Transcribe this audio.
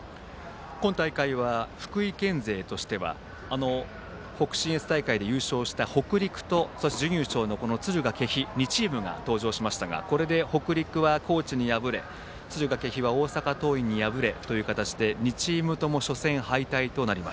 今大会は福井県勢としては北信越大会優勝の北陸とそして準優勝の敦賀気比の２チームが登場しましたがこれは北陸は高知に破れ敦賀気比は大阪桐蔭に敗れて２チームとも初戦敗退。